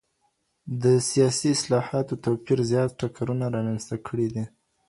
د سياسي اصطلاحاتو توپير زيات ټکرونه رامنځته کړي دي.